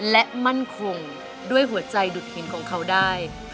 และมั่นคงด้วยหัวใจดุดหินของเขาได้